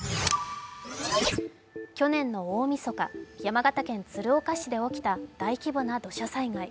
去年の大みそか、山形県鶴岡市で起きた大規模な土砂災害。